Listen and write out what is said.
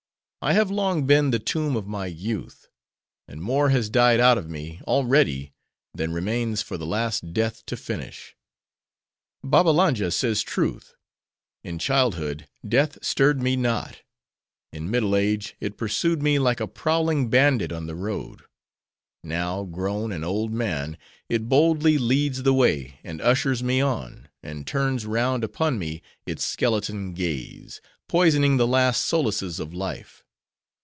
I have long been the tomb of my youth. And more has died out of me, already, than remains for the last death to finish. Babbalanja says truth. In childhood, death stirred me not; in middle age, it pursued me like a prowling bandit on the road; now, grown an old man, it boldly leads the way; and ushers me on; and turns round upon me its skeleton gaze: poisoning the last solaces of life.